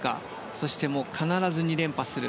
そして、必ず２連覇する。